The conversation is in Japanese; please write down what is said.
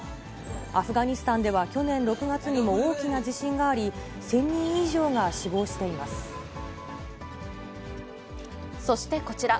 アフガニスタンでは去年６月にも大きな地震があり、そしてこちら。